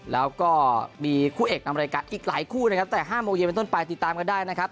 แล้วก็มีคู่เอกนำรายการอีกหลายคู่นะครับแต่๕โมงเย็นเป็นต้นไปติดตามกันได้นะครับ